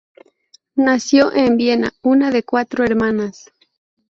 Nació en Viena, una de cuatro hermanas.